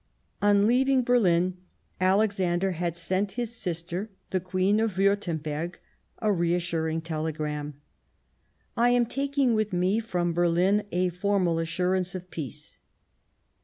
On leaving Berlin, Alexander had sent his sister, the Queen of Wiirtemberg, a reassuring telegram :" I am taking with me from Berlin a formal assur ance of peace."